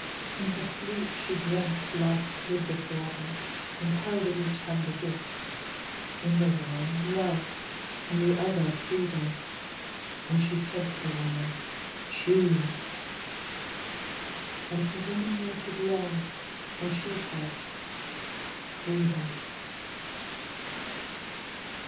In her sleep she dreamt Life stood before her, and held in each hand a gift in the one Love, in the other Freedom. And she said to the woman, ŌĆ£Choose! ŌĆØ And the woman waited long: and she said, ŌĆ£Freedom!